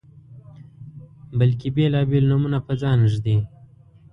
بلکې بیلابیل نومونه په ځان ږدي